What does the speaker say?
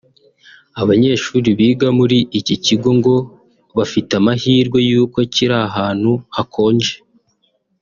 Abanyeshuri biga muri iki kigo ngo bafite amahirwe y’uko kiri ahantu hakonje